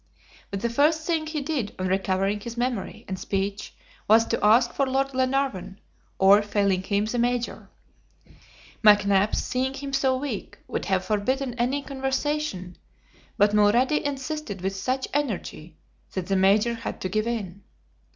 But the first thing he did on recovering his memory and speech was to ask for Lord Glenarvan, or, failing him, the Major. McNabbs seeing him so weak, would have forbidden any conversation; but Mulrady insisted with such energy that the Major had to give in.